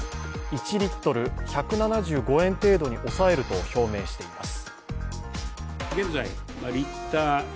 １リットル＝１７５円程度に抑えると表明しています。